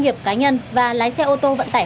nghiệp cá nhân và lái xe ô tô vận tải